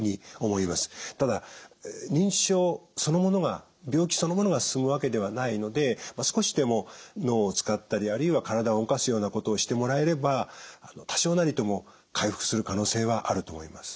ただ認知症そのものが病気そのものが進むわけではないので少しでも脳を使ったりあるいは体を動かすようなことをしてもらえれば多少なりとも回復する可能性はあると思います。